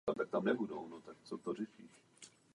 Květy bez nektaru jsou opylovány větrem.